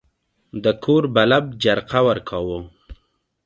د کور بلب جرقه ورکاوه.